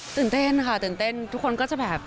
ตื่นเต้นค่ะตื่นเต้นทุกคนก็จะแบบ